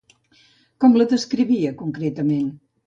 Com la descrivia, concretament?